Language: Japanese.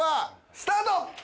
スタート！